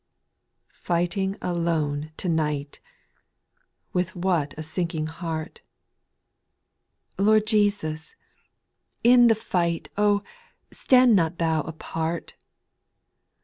Fighting alone to night I With what a sinking heart ;— Lord Jesus, in the fight Oh I stand not Thou apart 1 8.